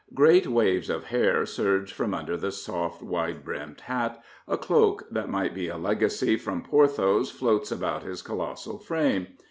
Great waves of hair surge from under the soft, wide brimmed hat. A cloak that might be a legacy from Porthos floats about his colossal frame.